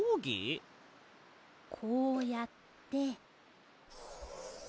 こうやって。